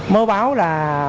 mới báo là